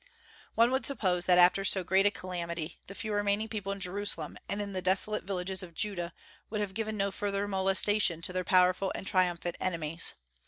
One would suppose that after so great a calamity the few remaining people in Jerusalem and in the desolate villages of Judah would have given no further molestation to their powerful and triumphant enemies.